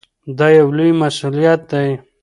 دا یو لوی مسؤلیت دی.